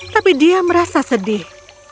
tapi dia merasa sedih